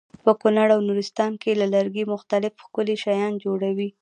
په کونړ او نورستان کې له لرګي مختلف ښکلي شیان جوړوي.